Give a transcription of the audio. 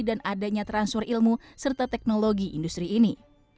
dan adanya transfer ilmu serta teknologi industri ini